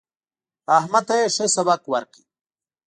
احمد ته يې ښه سبق ورکړ.